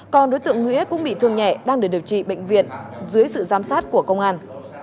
còn đối tượng nghĩa cũng bị thương nhẹ đang được điều trị bệnh viện dưới sự giám sát của công an